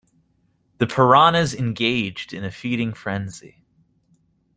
The piranhas engaged in a feeding frenzy.